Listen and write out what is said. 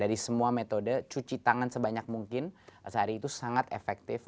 dari semua metode cuci tangan sebanyak mungkin sehari itu sangat efektif